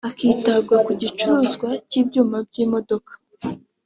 hakitabwa ku gicuruzwa cy’ibyuma by’imodoka